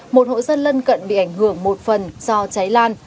một hộ dân lân cận bị ảnh hưởng một phần do cháy lan